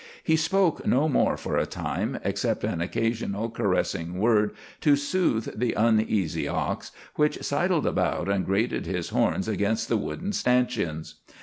He spoke no more for a time, except an occasional caressing word to soothe the uneasy ox, which sidled about and grated his horns against the wooden stanchions.